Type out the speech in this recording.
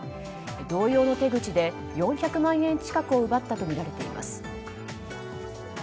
同様の手口で４００万円近くを奪ったとみられています。